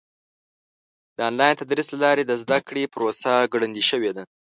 د آنلاین تدریس له لارې د زده کړې پروسه ګړندۍ شوې ده.